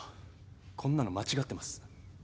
こんなの間違ってます。